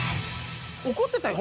怒ってたよね？